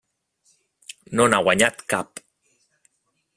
No n'ha guanyat cap.